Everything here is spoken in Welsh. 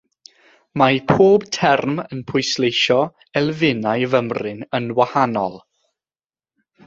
Mae pob term yn pwysleisio elfennau fymryn yn wahanol.